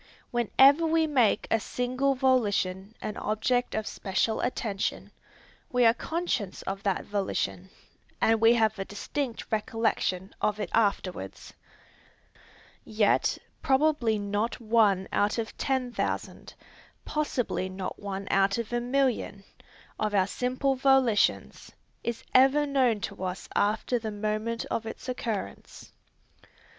Whenever we make any single volition an object of special attention, we are conscious of that volition, and we have a distinct recollection of it afterwards. Yet probably not one out of ten thousand, possibly not one out of a million, of our simple volitions, is ever known to us after the moment of its occurrence.